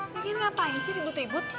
bikin ngapain sih ribut ribut